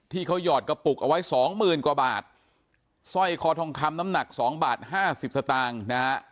หยอดกระปุกเอาไว้สองหมื่นกว่าบาทสร้อยคอทองคำน้ำหนักสองบาทห้าสิบสตางค์นะฮะ